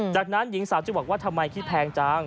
จากนั้นหญิงสาวจะบอกว่าทำไมขี้แพงจัง